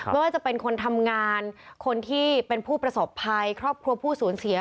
ไม่ว่าจะเป็นคนทำงานคนที่เป็นผู้ประสบภัยครอบครัวผู้สูญเสีย